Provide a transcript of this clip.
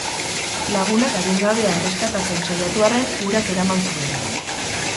Lagunak adingabea erreskatatzen saiatu arren, urak eraman zuen.